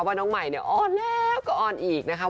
ว่าน้องมัยอ้อนแล้วก็อ้อนอีกนะคะ